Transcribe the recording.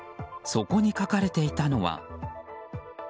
そこに書かれていたのは。